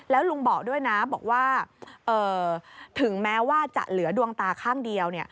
แล้วลุงบอกด้วยนะบอกว่าถึงแม้ว่าจะเหลือดวงตาข้างเดียว